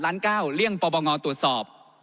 ล้านเก้าเลี่ยงปรบังงอตรวจสอบ